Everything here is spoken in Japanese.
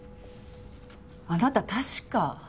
あなた確か。